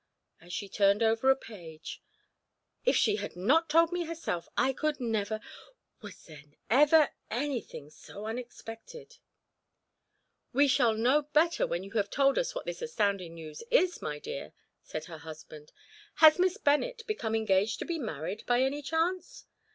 as she turned over a page, "if she had not told me herself, I could never was there ever anything so unexpected?" "We shall know better when you have told us what this astounding news is, my dear," said her husband. "Has Miss Bennett become engaged to be married, by any chance?"